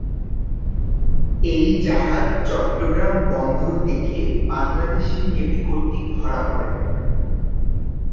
এই জাহাজ চট্টগ্রাম বন্দর থেকে বাংলাদেশি নেভি কর্তৃক ধরা পড়ে।